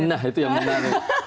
nah itu yang menarik